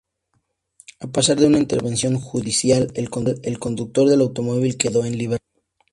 A pesar de una intervención judicial, el conductor del automóvil, quedó en libertad.